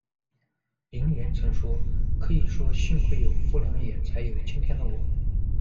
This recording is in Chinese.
萤原曾说：「可以说幸亏有富良野，才有今天的我」。